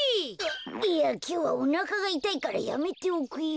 いやきょうはおなかがいたいからやめておくよ。